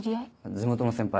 地元の先輩。